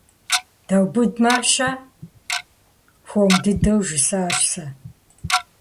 Даубыдмэ-щэ? - хуэм дыдэу жысӀащ сэ.